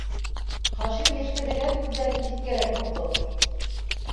— Хашим йәшкәҙәгән күҙҙәрен ситкәрәк борҙо.